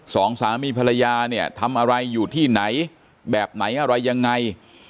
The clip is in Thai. สองสามีภรรยาเนี่ยทำอะไรอยู่ที่ไหนแบบไหนอะไรยังไง